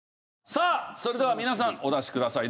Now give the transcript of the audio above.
さあそれでは皆さんお出しください